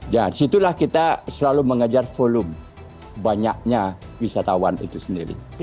situlah kita selalu mengejar volume banyaknya wisatawan itu sendiri